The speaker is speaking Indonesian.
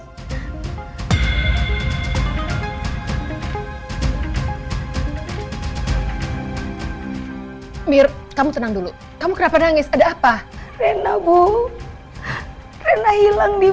hai mir kamu tenang dulu kamu kenapa nangis ada apa rena boo pena hilang di